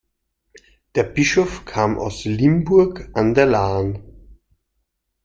Der Bischof kam aus Limburg an der Lahn.